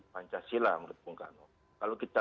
pancasila menurut bung karno kalau kita